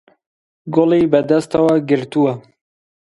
گوڵی بە دەستەوە گرتووە.